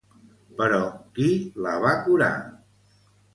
Però qui la va curar?